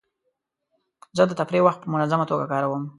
زه د تفریح وخت په منظمه توګه کاروم.